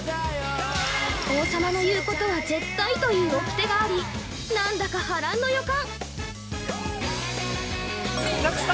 ◆王様の言うことは絶対というおきてがあり、何だか波乱の予感。